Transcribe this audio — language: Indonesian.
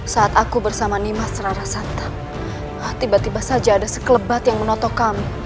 saat aku bersama nimas rarasanta tiba tiba saja ada sekelebat yang menotok kami